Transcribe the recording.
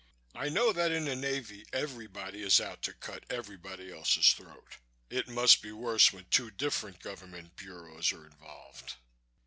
"I know that in the Navy everybody is out to cut everybody else's throat. It must be worse when two different Government Bureaus are involved."